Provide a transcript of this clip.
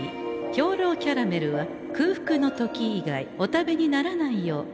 兵糧キャラメルは空腹の時以外お食べにならないよう気を付けてくださんせ。